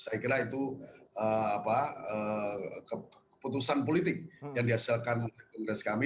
saya kira itu keputusan politik yang dihasilkan oleh kongres kami